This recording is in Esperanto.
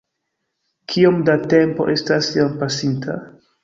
Kiom da tempo estas jam pasinta?